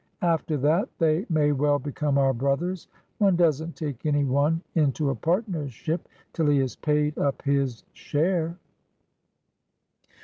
After that they may well become our brothers. One does n't take any one into a partnership till he has paid up his share."